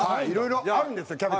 いろいろあるんですよ